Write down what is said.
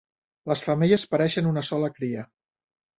Les femelles pareixen una sola cria.